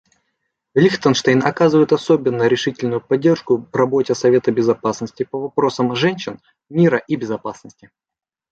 Лихтенштейн оказывает особенно решительную поддержку работе Совета Безопасности по вопросам женщин, мира и безопасности.